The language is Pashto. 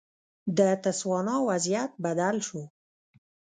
د تسوانا وضعیت بدل شو.